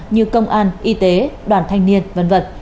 như công an y tế đoàn thanh niên v v